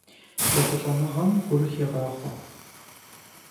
ЕхъулӀэныгъэм гур хегъахъуэ.